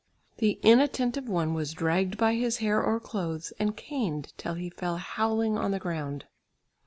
The inattentive one was dragged by his hair or clothes and caned till he fell howling on the ground.